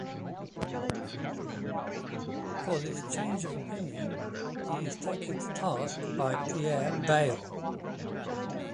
For this change of opinion he is taken to task by Pierre Bayle.